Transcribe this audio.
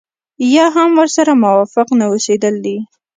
يا هم ورسره موافق نه اوسېدل دي.